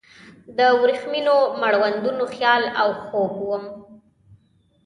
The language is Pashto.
د وریښمینو مړوندونو خیال او خوب وم